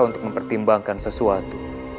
untuk mempertimbangkan sesuatu